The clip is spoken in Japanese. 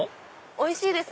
おいしいです